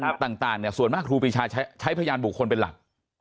ประญาณต่างแต่ส่วนมากครูพิชาใช้พญาณบุคคลเป็นหลัก